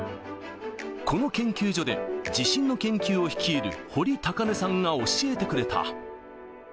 この研究所で地震の研究を率いる、堀高峰さんが教えてくれた。